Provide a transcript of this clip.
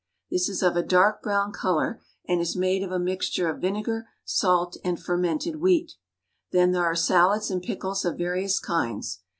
This is of a dark brown color, and is made of a mixture of vinegar, salt, and fermented wheat. Then there are salads and pickles of various kinds.